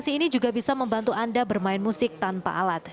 sensor gerakan bisa membantu anda bermain musik tanpa alat